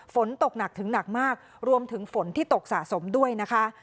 ฝนตกหนักถึงหนักมากรวมถึงฝนที่ตกสะสมด้วยนะคะ